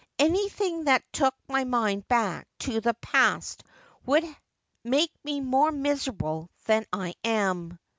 Anything that took my mind back to the past would make me more miserable than I am.'